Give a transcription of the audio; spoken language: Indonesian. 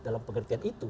dalam pengertian itu